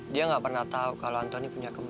dia gak pernah tau kalau antoni punya kembali